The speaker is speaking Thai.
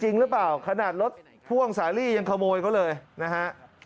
จริงหรือเปล่าขนาดรถพ่วงสาลียังขโมยเขาเลยนะฮะ